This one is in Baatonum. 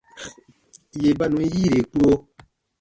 Yè ba nùn yiire kpuro.